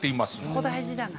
そこ大事だな。